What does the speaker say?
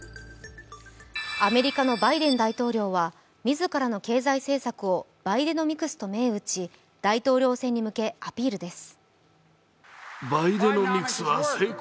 アメリカのバイデン大統領は自らの経済政策をバイデノミクスと銘打ち大統領選に向けアピールです。